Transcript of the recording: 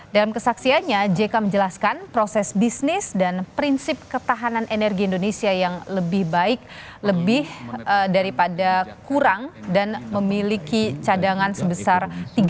dalam kesaksiannya jk menjelaskan proses bisnis dan prinsip ketahanan energi indonesia yang lebih baik lebih daripada kurang dan memiliki cadangan sebesar tiga